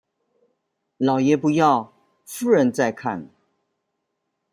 老爺不要夫人在看